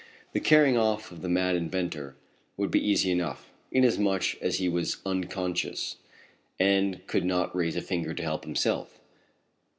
The carrying off of the mad inventor would be easy enough, inasmuch as he was unconscious, and could not raise a finger to help himself.